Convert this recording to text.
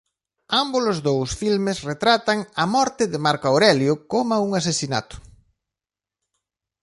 Ámbolos dous filmes retratan a morte de Marco Aurelio coma un asasinato.